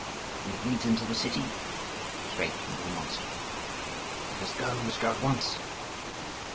"And it leads into the city?" "Straight into the monastery." "Let us go, let us go at once."